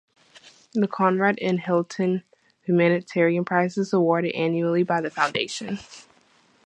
The Conrad N. Hilton Humanitarian Prize is awarded annually by the Foundation.